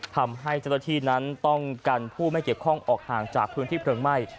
ทำให้เจ้าหน้าที่นั้นต้องกันผู้ไม่เกี่ยวข้องออกห่างจากพื้นที่เพลิงไหม้